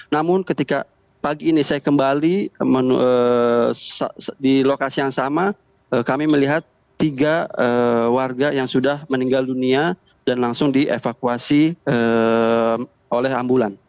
namun ketika pagi ini saya kembali di lokasi yang sama kami melihat tiga warga yang sudah meninggal dunia dan langsung dievakuasi oleh ambulan